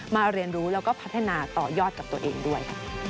เรียนรู้แล้วก็พัฒนาต่อยอดกับตัวเองด้วย